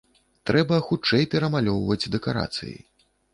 Трэба хутчэй перамалёўваць дэкарацыі.